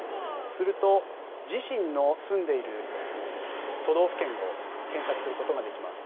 すると、自身の住んでいる都道府県を検索することができます。